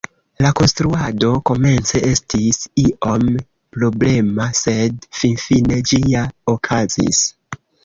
La konstruado komence estis iom problema, sed finfine ĝi ja okazis.